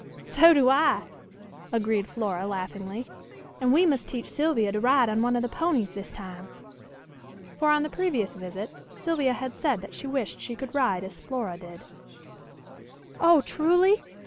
"So do I," agreed Flora laughingly; "and we must teach Sylvia to ride on one of the ponies this time." For on the previous visit Sylvia had said that she wished she could ride as Flora did. "Oh! Truly?